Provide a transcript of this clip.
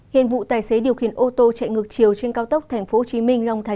hiện vụ tài xế điều khiển ô tô chạy ngược chiều trên cao tốc tp hcm